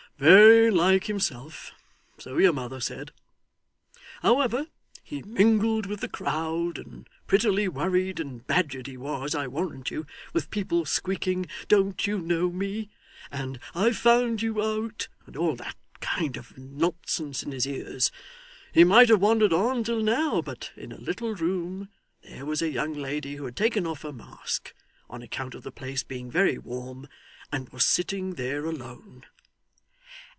'Very like himself so your mother said. However, he mingled with the crowd, and prettily worried and badgered he was, I warrant you, with people squeaking, "Don't you know me?" and "I've found you out," and all that kind of nonsense in his ears. He might have wandered on till now, but in a little room there was a young lady who had taken off her mask, on account of the place being very warm, and was sitting there alone.